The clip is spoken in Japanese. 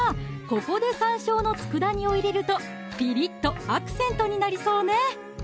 ここで山椒の佃煮を入れるとピリッとアクセントになりそうね